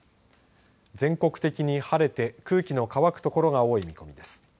全国的に晴れて空気の乾く所が多い見込みです。